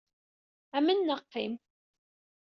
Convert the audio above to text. Amen neɣ qim.